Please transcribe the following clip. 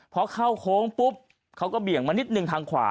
พอเข้าโค้งปุ๊บเขาก็เบี่ยงมานิดนึงทางขวา